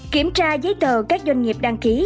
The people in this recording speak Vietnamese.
kiểm tra giấy tờ các doanh nghiệp đăng ký